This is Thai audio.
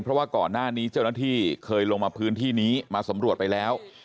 เพราะว่าก่อนหน้านี้เจ้าหน้าที่เคยลงมาพื้นที่นี้มาสำรวจไปแล้ว